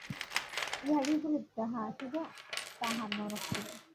ইহার বিপরীত যাহা আসিবে, তাহা নরকতুল্য।